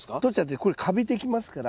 これカビてきますから。